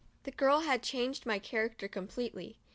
The girl had changed my character completely.